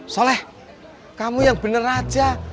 soleh kamu yang bener aja